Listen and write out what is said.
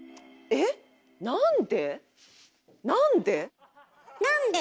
えなんで？